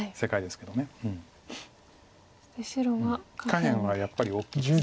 下辺はやっぱり大きいです。